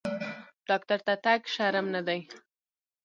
ډاکټر ته تګ شرم نه دی۔